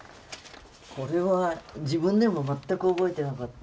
これは自分でもまったく覚えてなかった。